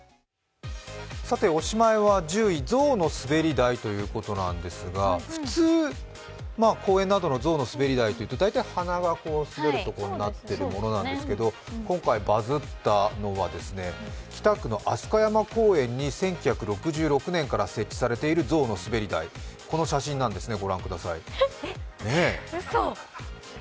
おしまいは１０位ゾウのすべり台ということなんですが普通、公園などのゾウのすべり台というと、大体、鼻が滑るところになっているものなんですけど今回、バズったのは北区の飛鳥山公園に１９６６年から設置されているゾウのすべり台、この写真なんですね、ご覧くださいうそ。